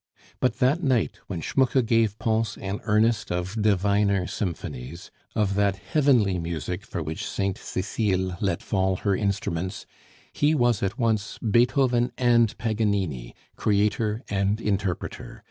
But that night, when Schmucke gave Pons an earnest of diviner symphonies, of that heavenly music for which Saint Cecile let fall her instruments, he was at once Beethoven and Paganini, creator and interpreter.